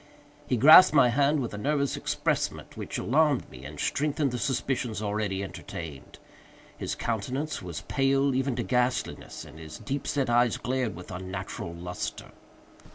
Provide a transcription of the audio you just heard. He grasped my hand with a nervous empressement which alarmed me and strengthened the suspicions already entertained. His countenance was pale even to ghastliness, and his deep set eyes glared with unnatural lustre.